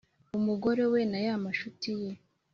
umugore we nay’anshuti ye